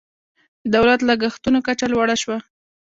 د دولت لګښتونو کچه لوړه شوه.